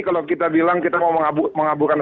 kalau kita bilang kita mau mengabulkan